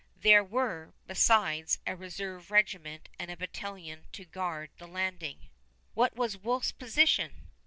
There were, besides, a reserve regiment, and a battalion to guard the landing. What was Wolfe's position?